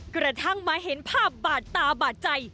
กระทั่งมาเห็นภาพบาดตาบาดใจ